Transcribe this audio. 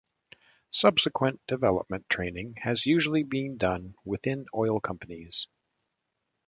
Subsequent development training has usually been done within oil companies.